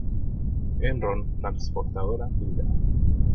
Enron Transportadora Ltda.